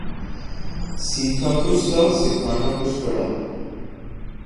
سیکھا کچھ تھا سکھانا کچھ پڑا